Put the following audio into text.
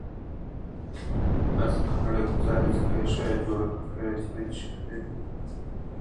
Aleppo is one of the fastest-growing cities in Syria and the Middle East.